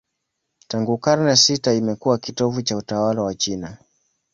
Tangu karne sita imekuwa kitovu cha utawala wa China.